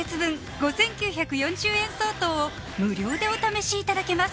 ５９４０円相当を無料でお試しいただけます